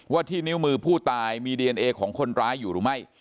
ที่นิ้วมือผู้ตายมีดีเอนเอของคนร้ายอยู่หรือไม่